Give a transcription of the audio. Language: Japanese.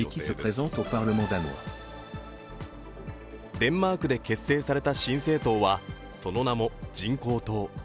デンマークで結成された新政党はその名も人工党。